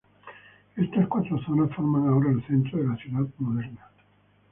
Estas cuatro zonas forman ahora el centro de la ciudad moderna.